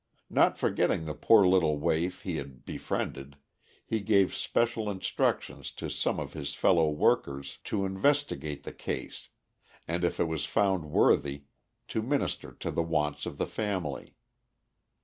Not forgetting the poor little waif he had befriended, he gave special instructions to some of his fellow workers to investigate the case, and if it was found worthy, to minister to the wants of the family.